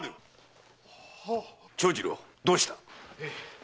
長次郎どうした？